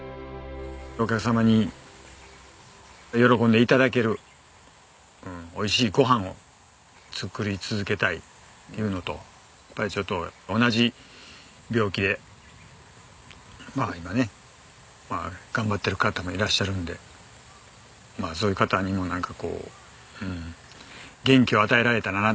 お客様に喜んで頂けるおいしいごはんを作り続けたいっていうのとやっぱりちょっと同じ病気で今ね頑張ってる方もいらっしゃるんでそういう方にもなんかこう元気を与えられたらなと思います。